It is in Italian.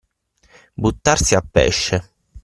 Buttarsi a pesce.